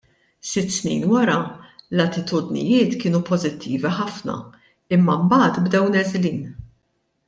Sitt snin wara l-attitudnijiet kienu pożittivi ħafna imma mbagħad bdew neżlin.